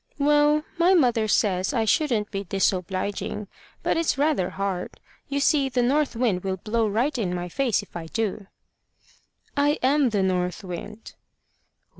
"Well, mother says I shouldn't be disobliging; but it's rather hard. You see the north wind will blow right in my face if I do." "I am the North Wind."